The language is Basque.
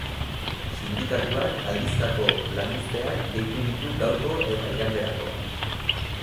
Sindikatuak aldizkako lanuzteak deitu ditu gaurko eta iganderako.